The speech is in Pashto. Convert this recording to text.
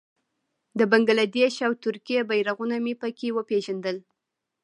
د بنګله دېش او ترکیې بېرغونه مې په کې وپېژندل.